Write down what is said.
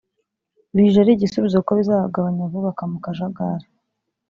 bije ari igisubizo kuko bizagabanya abubakaga mu kajagali